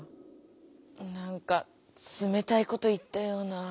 なんかつめたいこと言ったような。